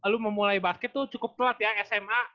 lu memulai basket tuh cukup telat ya sma